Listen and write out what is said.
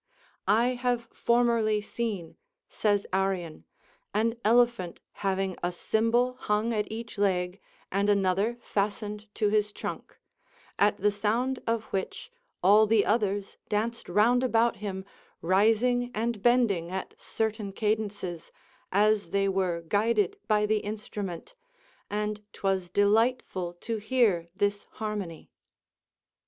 "Ï have formerly seen," says Arrian, "an elephant having a cymbal hung at each leg, and another fastened to his trunk, at the sound of which all the others danced round about him, rising and bending at certain cadences, as they were guided by the instrument; and 'twas delightful to hear this harmony."